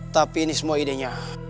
tapi ini semua idenya